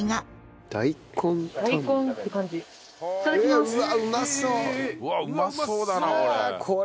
うわっうまそうだなこれ！